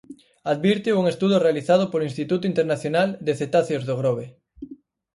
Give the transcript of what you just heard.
Advírteo un estudo realizado polo Instituto Internacional de Cetáceos do Grove.